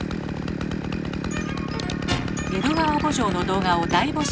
「江戸川慕情」の動画を大募集。